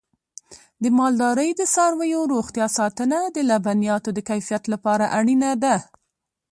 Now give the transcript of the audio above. د مالدارۍ د څارویو روغتیا ساتنه د لبنیاتو د کیفیت لپاره اړینه ده.